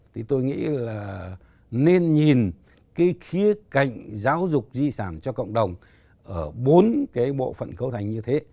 thì tôi nghĩ là nên nhìn cái khía cạnh giáo dục di sản cho cộng đồng ở bốn cái bộ phận cấu thành như thế